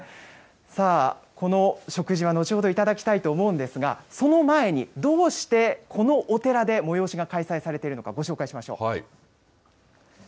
さあ、この食事は後ほど頂きたいと思うんですが、その前に、どうしてこのお寺で催しが開催されているのか、ご紹介しましょう。